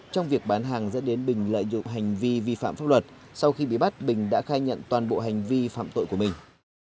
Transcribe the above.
trong việc bán hàng dẫn đến bình lợi dụng hành vi vi phạm pháp luật sau khi bị bắt bình đã khai nhận toàn bộ hành vi phạm tội của mình